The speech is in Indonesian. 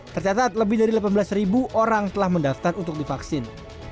tercatat lebih dari delapan belas ribu orang telah mendaftar untuk divaksin